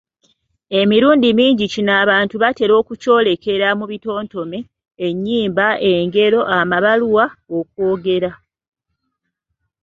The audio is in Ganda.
Emirundi mingi kino abantu batera okukyolekera mu bitontome, ennyimba, engero amabaluwa, okwogera.